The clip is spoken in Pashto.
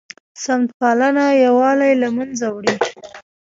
سمت پالنه یووالی له منځه وړي